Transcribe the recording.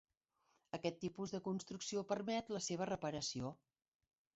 Aquest tipus de construcció permet la seva reparació.